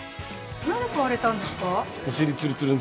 なんで買われたんですか？